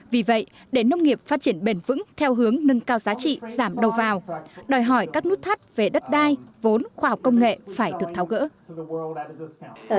vì vậy để nông nghiệp phát triển bền vững theo hướng nâng cao giá trị giảm đầu vào đòi hỏi các nút thắt về đất đai vốn khoa học công nghệ phải được tháo gỡ